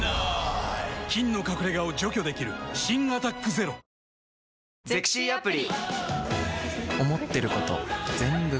菌の隠れ家を除去できる新「アタックＺＥＲＯ」よしこい！